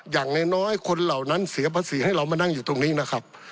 อย่างน้อยคนเหล่านั้นเสียภาษีให้เรามานั่งอยู่ตรงนี้นะครับ